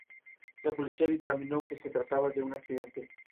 Este rey llevó a Susa el código de Hammurabi y la estela de Naram-Sin.